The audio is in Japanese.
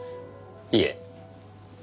いえ。